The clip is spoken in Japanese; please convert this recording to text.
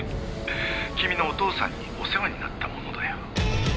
君のお父さんにお世話になった者だよ。